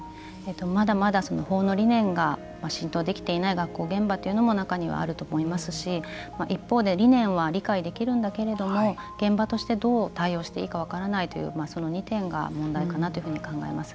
まだまだ法の理念が浸透できていない学校現場というのも中にはあると思いますし一方で、理念は理解できるんだけれども現場としてどう対応していいか分からないというその２点が問題かなというふうに考えます。